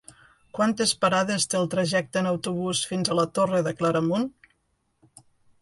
Quantes parades té el trajecte en autobús fins a la Torre de Claramunt?